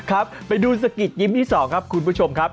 ครับไปดูสะกิดยิ้มที่๒ครับคุณผู้ชมครับ